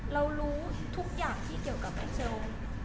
เรารู้ทุกอย่างที่เกี่ยวกับไอเซลล์